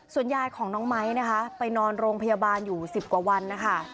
ส่วนยายของน้องไม้นะคะไปนอนโรงพยาบาลอยู่๑๐กว่าวันนะคะ